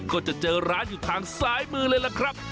ก็จะเจอร้านอยู่ทางซ้ายมือเลยล่ะครับ